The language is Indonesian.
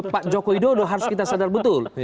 pak jokowi dodo harus kita sadar betul